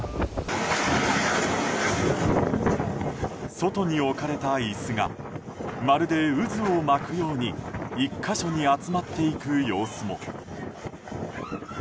外に置かれた椅子がまるで渦を巻くように１か所に集まっていく様子も。